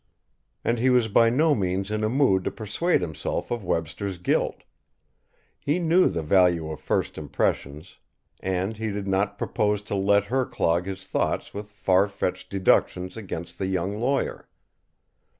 And he was by no means in a mood to persuade himself of Webster's guilt. He knew the value of first impressions; and he did not propose to let her clog his thoughts with far fetched deductions against the young lawyer.